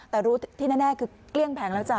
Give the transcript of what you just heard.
แต่รู้ที่แน่คือเกลี้ยงแผงแล้วจ้